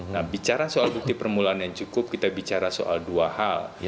nah bicara soal bukti permulaan yang cukup kita bicara soal dua hal